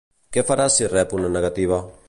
Que farà si rep una negativa?